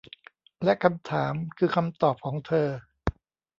และคำถามคือคำตอบของเธอ